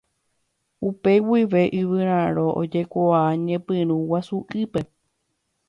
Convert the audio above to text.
Upe guive Yvyraro ojekuaa ñepyrũ Guasu'ýpe.